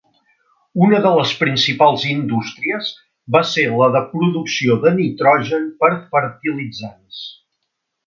Una de les principals indústries va ser la de producció de nitrogen per fertilitzants.